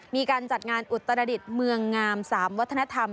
มีการจัดงานอุตรดิษฐ์เมืองงาม๓วัฒนธรรม